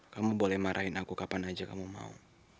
kamu boleh marahin aku kapan aja kamu mau